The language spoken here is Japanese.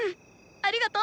ありがとう。